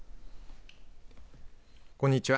こんにちは。